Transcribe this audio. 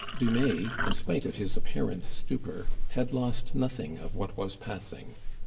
Dumais, in spite of his apparent stupor, had lost nothing of what was passing.